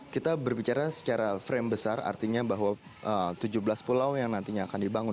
kita berbicara secara frame besar artinya bahwa tujuh belas pulau yang nantinya akan dibangun